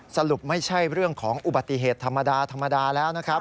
สรุปไม่ใช่เรื่องของอุบัติเหตุธรรมดาธรรมดาแล้วนะครับ